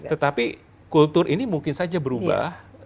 tetapi kultur ini mungkin saja berubah